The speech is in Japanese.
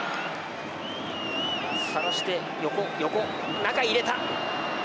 探して横横中入れた。